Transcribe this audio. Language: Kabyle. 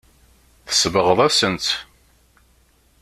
Tsebɣeḍ-asen-tt.